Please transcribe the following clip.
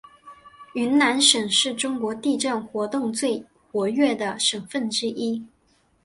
云南省是中国地震活动最活跃的省份之一。